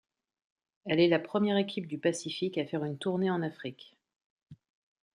Elle est la première équipe du Pacifique à faire une tournée en Afrique.